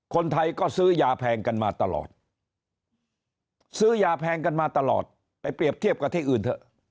คนไทยก็ซื้อยาแพงกันมาตลอดซื้อยาแพงกันมาตลอดไปเปรียบเทียบกับที่อื่นเถอะ